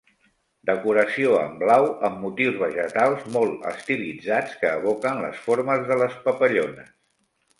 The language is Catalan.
Decoració en blau amb motius vegetals molt estilitzats que evoquen les formes de les papallones.